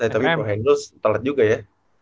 tapi bro handels telat juga ya